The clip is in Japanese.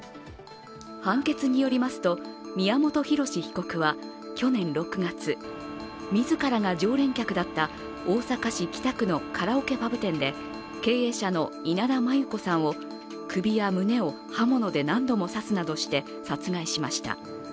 判決によりますと、宮本浩志被告は去年６月、自らが常連客だった大阪市北区のカラオケパブ店で経営者の稲田真優子さんを首や胸を刃物で何度も刺すなどして殺害しました。